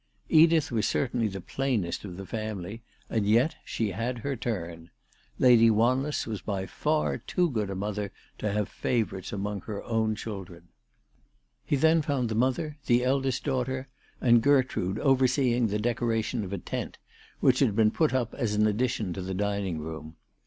Edith was certainly the plainest of the family, and yet she had her turn. Lady Wanless was by far too good a mother to have favourites among her own children. He then found the mother, the eldest daughter, and Gertrude overseeing the decoration of a tent, which had been put up as an addition to the dining room.